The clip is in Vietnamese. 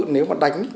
nếu mà đánh